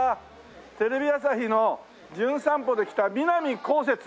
テレビ朝日の『じゅん散歩』で来た南こうせつ。